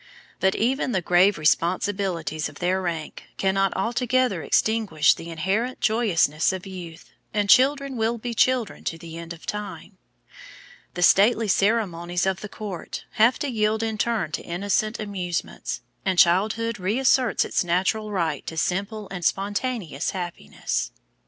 But even the grave responsibilities of their rank cannot altogether extinguish the inherent joyousness of youth, and children will be children to the end of time. The stately ceremonies of the court have to yield in turn to innocent amusements, and childhood reasserts its natural right to simple and spontaneous happiness.